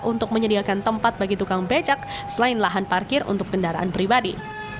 untuk menyediakan tempat bagi tukang becak selain lahan parkir untuk kendaraan pribadi